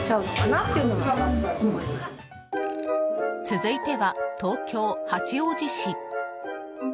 続いては、東京・八王子市。